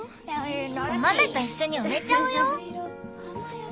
お豆といっしょに埋めちゃうよ！